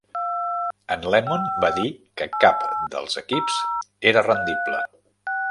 En Lemon va dir que cap dels equips era rendible.